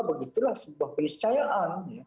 begitulah sebuah periscayaan